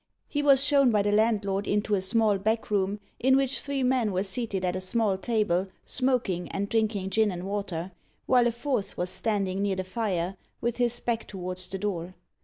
He was shown by the landlord into a small back room, in which three men were seated at a small table, smoking, and drinking gin and water, while a fourth was standing near the fire, with his back towards the door.